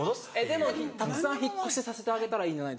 でもたくさん引っ越しさせてあげたらいいんじゃ？